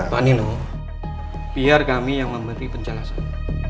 pak nino biar kami yang memberi penjelasan